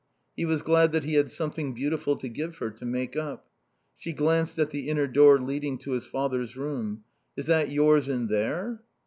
He was glad that he had something beautiful to give her, to make up. She glanced at the inner door leading to his father's room. "Is that yours in there?"